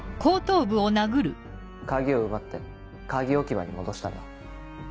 鍵を奪って鍵置き場に戻したんだ。